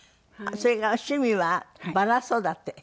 それから趣味はバラ育て。